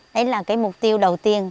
đấy là cái mục tiêu đầu tiên